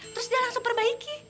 terus dia langsung perbaiki